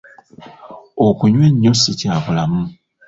Okunywa ennyo si kya bulamu.